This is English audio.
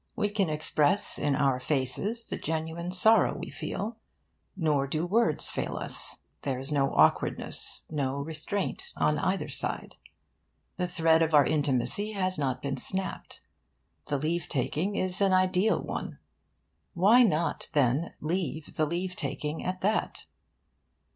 We can express in our faces the genuine sorrow we feel. Nor do words fail us. There is no awkwardness, no restraint, on either side. The thread of our intimacy has not been snapped. The leave taking is an ideal one. Why not, then, leave the leave taking at that?